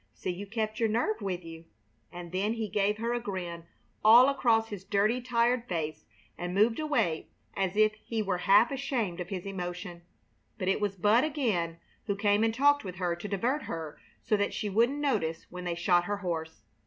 See you kept your nerve with you!" and then he gave her a grin all across his dirty, tired face, and moved away as if he were half ashamed of his emotion. But it was Bud again who came and talked with her to divert her so that she wouldn't notice when they shot her horse.